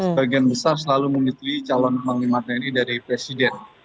sebagian besar selalu menyetujui calon panglima tni dari presiden